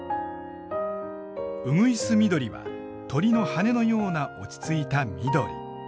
鶯緑は鳥の羽のような落ち着いた緑。